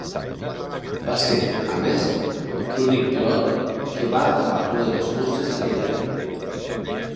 Va ser, a més, l'únic pilot que va acabar totes les curses aquell any.